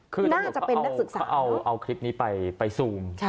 คือน่าจะเป็นนักศึกษาเอาคลิปนี้ไปซูม